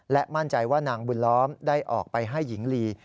มั่นใจว่านางบุญล้อมได้ออกไปให้หญิงลี